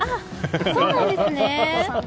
そうなんですね。